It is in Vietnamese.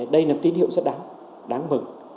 đây là tín hiệu rất đáng đáng mừng